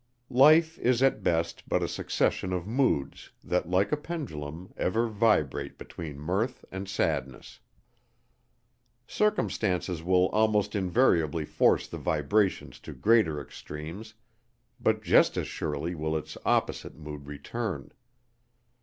Life is at best but a succession of moods that, like a pendulum, ever vibrate between mirth and sadness. Circumstances will almost invariably force the vibrations to greater extremes, but just as surely will its opposite mood return.